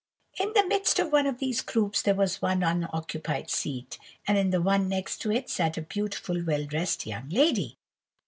"In the midst of one of these groups, there was one unoccupied seat, and in the one next to it sat a beautiful, well dressed young lady.